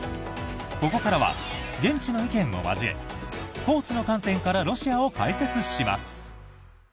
ここからは、現地の意見を交えスポーツの観点からロシアを解説します。